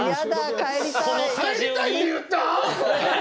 「帰りたい」って言った！？